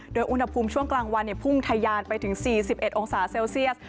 โดยอุณหภูมิช่วงกลางวันพุ่งทะยานไปถึง๔๑องศาเซลเซียส